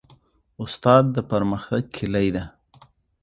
استاد د پرمختګ کلۍ ده.